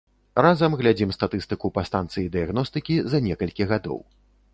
Разам глядзім статыстыку па станцыі дыягностыкі за некалькі гадоў.